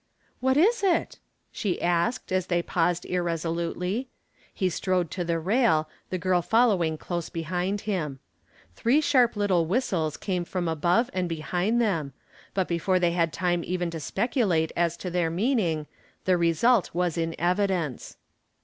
"What is it?" she asked as they paused irresolutely. He strode to the rail, the girl following close behind him. Three sharp little whistles came from above and behind them, but before they had time even to speculate as to their meaning the result was in evidence.